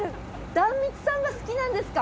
壇蜜さんが好きなんですか？